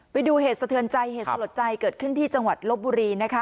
ไปดูเหตุสะเทือนใจเหตุสลดใจเกิดขึ้นที่จังหวัดลบบุรีนะคะ